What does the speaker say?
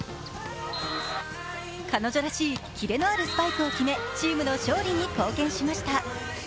彼女らしいキレのあるスパイクを決めチームの勝利に貢献しました。